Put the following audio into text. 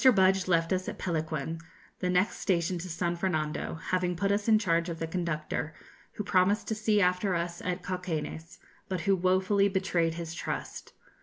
Budge left us at Pelequen, the next station to San Fernando, having put us in charge of the conductor, who promised to see after us at Cauquenes, but who wofully betrayed his trust.